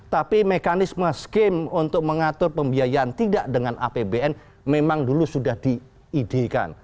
tapi mekanisme scheme untuk mengatur pembiayaan tidak dengan apbn memang dulu sudah diidekan